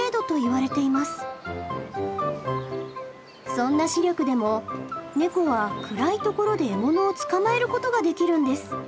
そんな視力でもネコは暗いところで獲物を捕まえることができるんです。